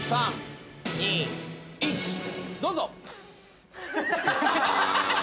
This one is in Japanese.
どうぞ。